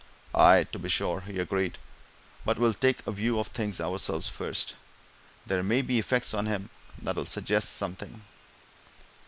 "Aye, to be sure!" he agreed. "But we'll take a view of things ourselves, first. There may be effects on him that'll suggest something."